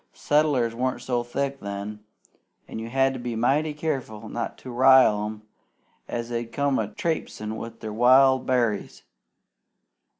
Settlers wasn't so thick then, an' you had to be mighty careful not to rile 'em, an' they'd come a trapesin' with their wild berries.